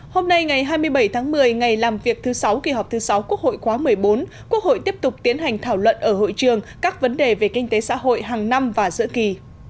hôm nay ngày hai mươi bảy tháng một mươi ngày làm việc thứ sáu kỳ họp thứ sáu quốc hội khóa một mươi bốn quốc hội tiếp tục tiến hành thảo luận ở hội trường các vấn đề về kinh tế xã hội hàng năm và giữa kỳ